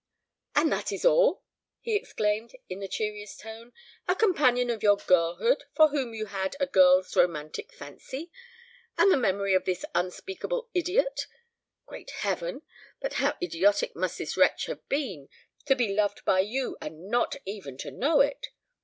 "And that is all!" he exclaimed, in the cheeriest tone. "A companion of your girlhood, for whom you had a girl's romantic fancy! And the memory of this unspeakable idiot great Heaven! but how idiotic must this wretch have been, to be loved by you, and not even to know it!